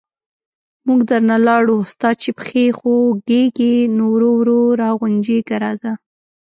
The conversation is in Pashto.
موږ درنه لاړو، ستا چې پښې خوګېږي، نو ورو ورو را غونجېږه راځه...